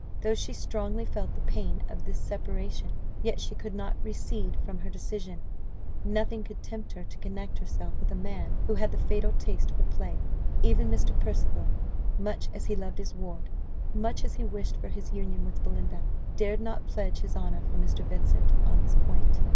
Though she strongly felt the pain of this separation, yet she could not recede from her decision: nothing could tempt her to connect herself with a man who had the fatal taste for play. Even Mr. Percival, much as he loved his ward, much as he wished for his union with Belinda, dared not pledge his honour for Mr. Vincent on this point.